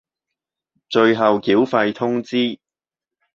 最後繳費通知